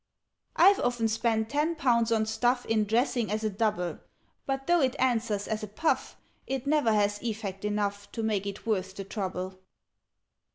"I've often spent ten pounds on stuff, In dressing as a Double; But, though it answers as a puff, It never has effect enough To make it worth the trouble.